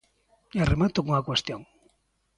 E remato cunha cuestión.